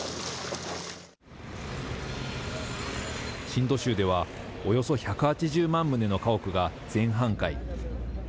シンド州では、およそ１８０万棟の家屋が全半壊。